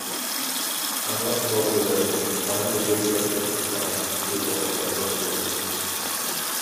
Ама туох үлүгэрэй, хаһан да кимтэн сурук туппатах кыыс оҕоҕо дылы буолан